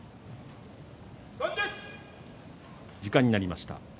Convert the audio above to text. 時間になりました。